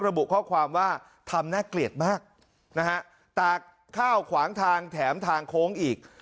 ระบุข้อความว่าทำน่าเกลียดมากนะฮะตากข้าวขวางทางแถมทางโค้งอีก